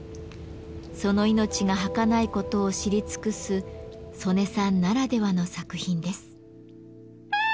その命がはかないことを知り尽くす曽根さんならではの作品です。